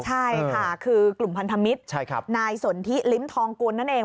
ใช่ค่ะคือกลุ่มพันธมิตรนายสนทิลิ้มทองกุลนั่นเอง